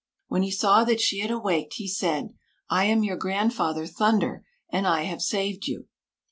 When he saw that she had awaked, he said, 'I am your grandfather Thunder, and I have saved you.